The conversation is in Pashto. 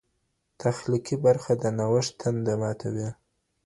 تخلیقي برخه د نوښت تنده ماتوي.